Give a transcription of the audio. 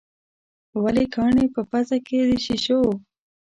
ولې کاڼي په پزه کې د شېشو.